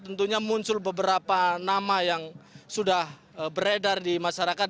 tentunya muncul beberapa nama yang sudah beredar di masyarakat